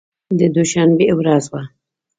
د دوشنبې ورځ وه.